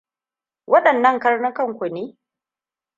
Wadannan karnukan ku ne?